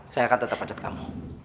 saya akan tetap ajat kamu